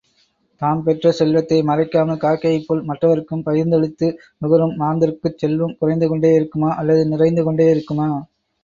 தாம் பெற்ற செல்வத்தை மறைக்காமல், காக்கையைப் போல், மற்றவர்க்கும் பகிர்ந்தளித்து நுகரும் மாந்தர்க்குச் செல்வம் குறைந்துகொண்டேயிருக்குமா அல்லது நிறைந்துகொண்டேயிருக்குமா?